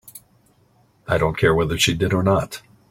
I don't care whether she did or not.